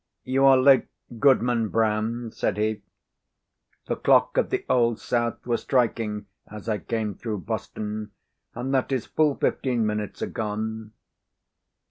"You are late, Goodman Brown," said he. "The clock of the Old South was striking as I came through Boston, and that is full fifteen minutes agone."